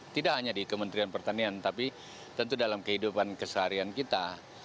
tidak hanya di kementerian pertanian tapi tentu dalam kehidupan keseharian kita